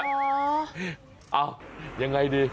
เอ้ายังไงดี